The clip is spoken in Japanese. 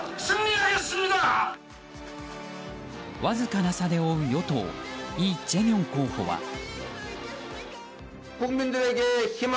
わずかな差で追う与党イ・ジェミョン候補は。